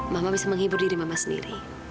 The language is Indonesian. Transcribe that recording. mama bisa menghibur diri mama sendiri